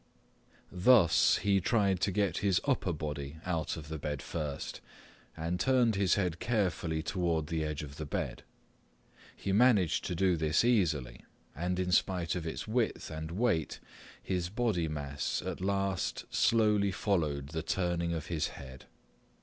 Thus, he tried to get his upper body out of the bed first and turned his head carefully toward the edge of the bed. He managed to do this easily, and in spite of its width and weight his body mass at last slowly followed the turning of his head.